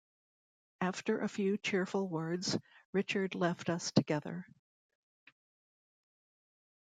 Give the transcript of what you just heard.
After a few cheerful words, Richard left us together.